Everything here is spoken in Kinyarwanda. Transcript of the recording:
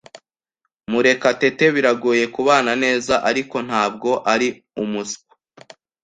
Murekatete biragoye kubana neza, ariko ntabwo ari umuswa.